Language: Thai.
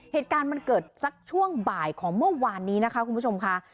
เหตุการณ์มันเกิดสักช่วงบ่ายของเมื่อวานนี้นะคะคุณผู้ชมค่ะ